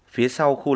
phía sau khu lạc